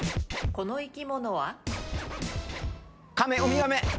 この生き物は？